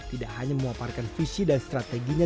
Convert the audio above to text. tidak hanya memaparkan visi dan strateginya